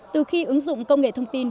từ khi ứng dụng công nghệ thông tin